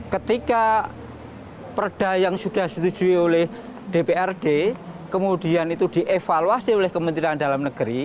ketika perda yang sudah disetujui oleh dprd kemudian itu dievaluasi oleh kementerian dalam negeri